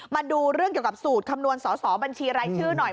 มาดูเรื่องเกี่ยวกับสูตรคำนวณสอสอบัญชีรายชื่อหน่อย